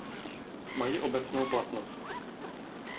Mají obecnou platnost.